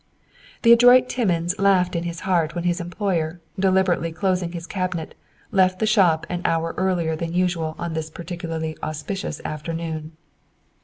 The adroit Timmins laughed in his heart when his employer, deliberately closing his cabinet, left the shop an hour earlier than usual on this particularly auspicious afternoon.